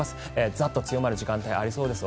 ザッと強まる時間帯ありそうです